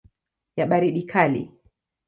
ya baridi kali.